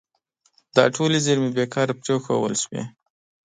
دا ټولې زیرمې بې کاره پرېښودل شوي.